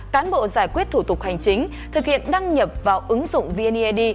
cán bộ giải quyết thủ tục hành chính thực hiện đăng nhập vào ứng dụng vneid